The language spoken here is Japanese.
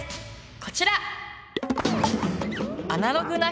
こちら！